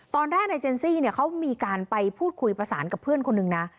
ตอนแรกนายเจนซี่เนี่ยเขามีการไปพูดคุยประสานกับเพื่อนคนหนึ่งนะ